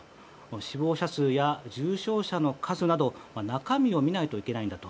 死亡者数や重症者の数など中身を見ないといけないんだと。